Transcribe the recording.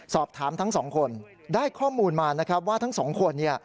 สอบถามทั้งสองคนได้ข้อมูลมาว่าทั้งสองคน